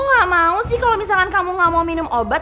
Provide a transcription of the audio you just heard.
gak mau sih kalau misalkan kamu gak mau minum obat